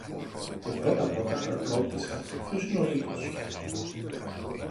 Και πρώτα πρώτα, ρώτησα, ποιος είναι ο λύκος;